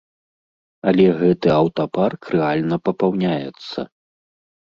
Але гэты аўтапарк рэальна папаўняецца.